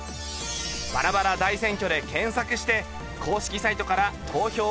「バラバラ大選挙」で検索して公式サイトから投票お願いします！